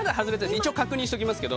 一応確認しときますけど。